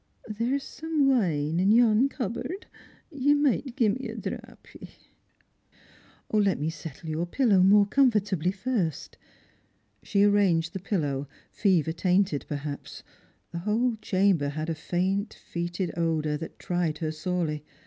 There's some wine in yon cupboard ; you might gie me a drappie." " Let me settle your pillow more comfortably first." She arranged the pillow, fever tainted perhaps; the whole chamber had a faint foetid odour that tried her sorely.